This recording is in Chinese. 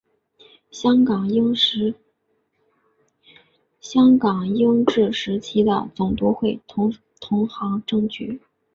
香港英治时期的总督会同行政局。